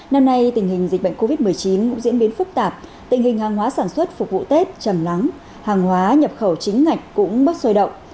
năm nay tình hình dịch bệnh covid một mươi chín cũng diễn biến phức tạp tình hình hàng hóa sản xuất phục vụ tết chầm lắng hàng hóa nhập khẩu chính ngạch cũng mất sôi động